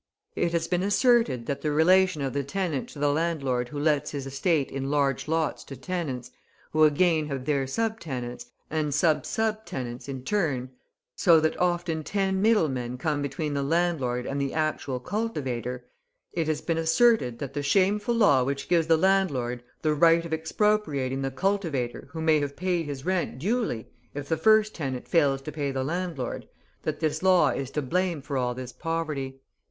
It has been asserted that the relation of the tenant to the landlord who lets his estate in large lots to tenants, who again have their sub tenants, and sub sub tenants, in turn, so that often ten middlemen come between the landlord and the actual cultivator it has been asserted that the shameful law which gives the landlord the right of expropriating the cultivator who may have paid his rent duly, if the first tenant fails to pay the landlord, that this law is to blame for all this poverty.